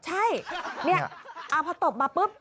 ใช่นี่พอตบมาปุ๊บ